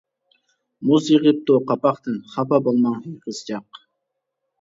مۇز يېغىپتۇ قاپاقتىن، خاپا بولماڭ ھەي قىزچاق.